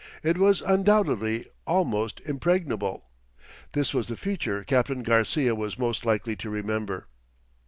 It was undoubtedly "almost impregnable." This was the feature Captain Garcia was most likely to remember.